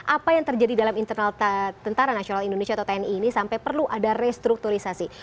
apa yang terjadi dalam internal tentara nasional indonesia atau tni ini sampai perlu ada restrukturisasi